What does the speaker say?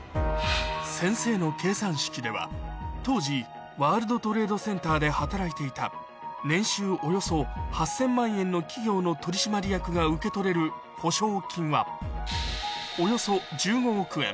では当時ワールドトレードセンターで働いていた年収およそ８０００万円の企業の取締役が受け取れる補償金はおよそ１５億円